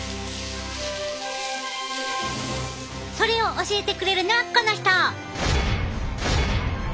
それを教えてくれるのはこの人！